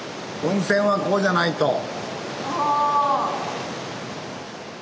温泉はこうじゃないと。